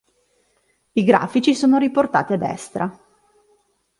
I grafici sono riportati a destra.